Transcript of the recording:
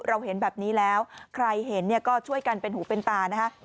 เราเห็นแบบนี้แล้วใครเห็นเนี่ยก็ช่วยกันเป็นหูเป็นตานะฮะ